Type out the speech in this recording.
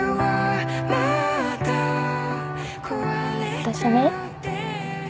私ね。